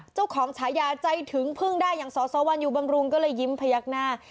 เจ้าของชายาใจถึงพึ่งได้อย่างสสวันอยู่บังรุงก็เลยยิ้มพยักหน้า